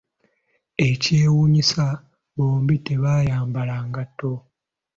Ekyewuunyisa, bombi tebayambala ngatto.